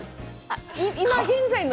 今現在の。